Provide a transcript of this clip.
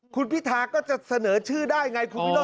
คุณพิธาก็จะเสนอชื่อได้ไงคุณวิโรธ